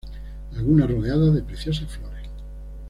Algunas rodeadas de preciosas flores.